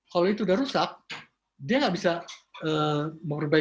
kalau itu udah rusak dia nggak bisa memperbaiki